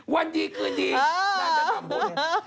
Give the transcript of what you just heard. วันดีคืนดีนางจะทำบุญ